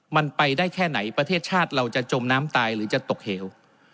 มันไปได้แค่ไหนประเทศชาติเราจะจมน้ำตายหรือจะตกเหว